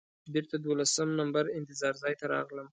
بېرته دولسم نمبر انتظار ځای ته راغلم.